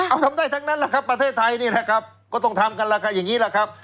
เอาทำได้ทั้งนั้นแหละครับประเทศไทยนี่แหละครับก็ต้องทำกันล่ะค่ะอย่างนี้แหละครับ